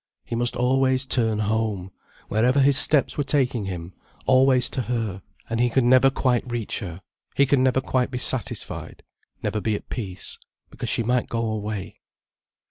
He must always turn home, wherever his steps were taking him, always to her, and he could never quite reach her, he could never quite be satisfied, never be at peace, because she might go away.